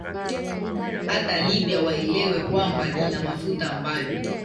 hata libya waelewe kwamba ina mafuta ambayo